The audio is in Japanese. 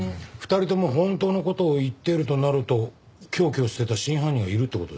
２人とも本当の事を言っているとなると凶器を捨てた真犯人がいるって事ですか？